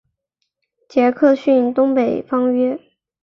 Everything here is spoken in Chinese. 杰克逊东北方约。